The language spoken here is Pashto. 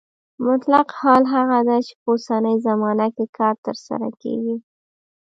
مطلق حال هغه دی چې په اوسنۍ زمانه کې کار ترسره کیږي.